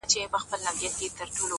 نوربه ناز ادا غواړم چي تا غواړم.!